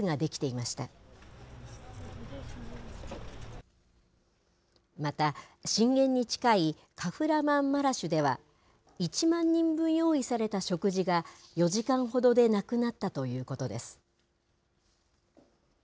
また、震源に近いカフラマンマラシュでは、１万人分用意された食事が４時間ほどでなくなったということです。